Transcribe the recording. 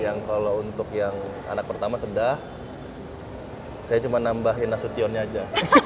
yang kalau untuk yang anak pertama sedah saya cuma nambahin nasutionnya aja